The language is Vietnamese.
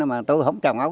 mà tôi không trồng ấu